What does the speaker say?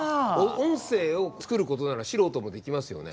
音声を作ることならシロウトもできますよね。